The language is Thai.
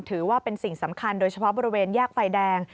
ถือว่าเป็นสิ่งสำคัญโดยเฉพาะบริเวณแยกไฟแดง